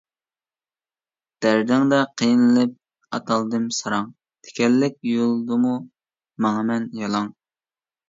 دەردىڭدە قىينىلىپ ئاتالدىم ساراڭ، تىكەنلىك يولدىمۇ ماڭىمەن يالاڭ.